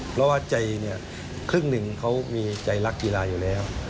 เพราะว่าใจเนี่ยครึ่งหนึ่งเขามีใจรักกีฬาอยู่แล้ว